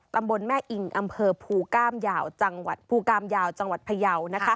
ตำบลแม่อิงอำเภอภูกามยาวจังหวัดพระยาวนะคะ